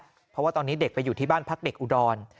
เพราะว่าตอนนี้เด็กไปอยู่ที่บ้านพักเด็กอุดร